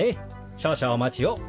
少々お待ちを。